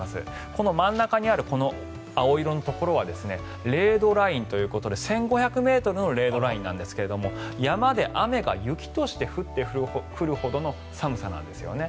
この真ん中にあるこの青色のところは０度ラインということで１５００ｍの０度ラインなんですが山で雨が雪として降るほどの寒さなんですね。